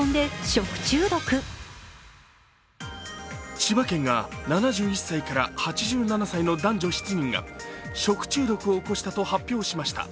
千葉県が７１歳から８７歳の男女７人が食中毒を起こしたと発表しました。